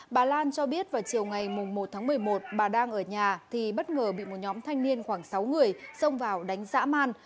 bà lan cho biết vào chiều ngày một tháng một mươi một bà đang ở nhà thì bất ngờ bị một nhóm thanh niên khoảng sáu người xông vào đánh giã man